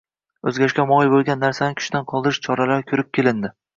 o‘zgarishga omil bo‘lgan narsalarni kuchdan qoldirish choralari ko‘rib kelindi.